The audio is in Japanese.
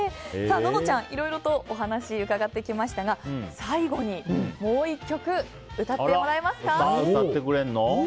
ののちゃん、いろいろとお話を伺ってきましたが最後にもう１曲歌ってもらえますか。